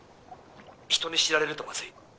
人に知られるとまずい。